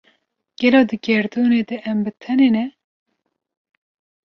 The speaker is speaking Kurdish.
Gelo di gerdûnê de em bi tenê ne?